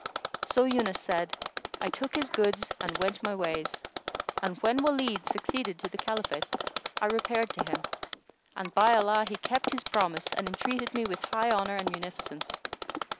So Yunus said, "I took his goods and went my ways; and when Walid succeeded to the Caliphate, I repaired to him; and by Allah, he kept his promise and entreated me with high honour and munificence.